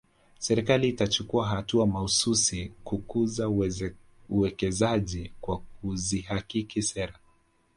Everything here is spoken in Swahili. Serikali itachukua hatua mahsusi kukuza uwekezaji kwa kuzihakiki sera